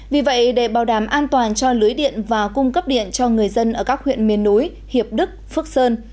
vì vậy để bảo đảm an toàn cho lưới điện và cung cấp điện cho người dân ở các huyện miền núi hiệp đức phước sơn